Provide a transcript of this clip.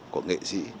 của nghệ sĩ